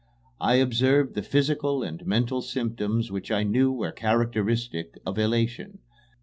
I observed the physical and mental symptoms which I knew were characteristic of elation.